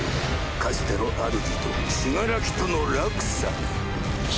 かつての主と死柄木との落差に。